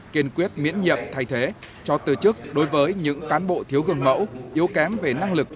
kiên quyết miễn nhiệm thay thế cho từ chức đối với những cán bộ thiếu gương mẫu yếu kém về năng lực